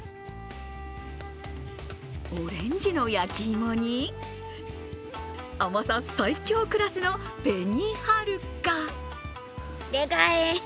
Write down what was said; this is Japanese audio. オレンジの焼き芋に甘さ最強クラスのべにはるか。